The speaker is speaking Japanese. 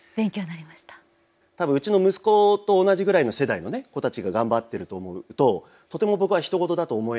たぶんうちの息子と同じぐらいの世代の子たちが頑張ってると思うととても僕はひと事だと思えなくて。